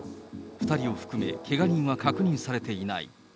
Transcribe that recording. ２人を含め、けが人は確認されていない。